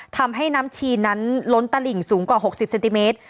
ทำให้น้ำชีนั้นล้นตาไหร่สูงกว่าหกสิบเซนติเมตร